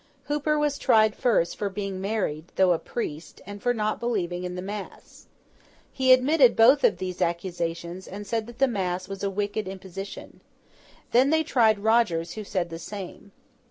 Hooper was tried first for being married, though a priest, and for not believing in the mass. He admitted both of these accusations, and said that the mass was a wicked imposition. Then they tried Rogers, who said the same.